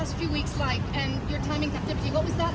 คุณอยู่ในโรงพยาบาลนะ